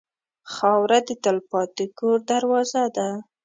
خاوره د تلپاتې کور دروازه ده.